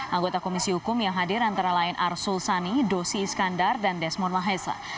anggota komisi hukum yang hadir antara lain arsul sani dosi iskandar dan desmond mahesa